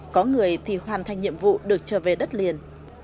có người thì hoàn thành nhiệm vụ được trở về đất liền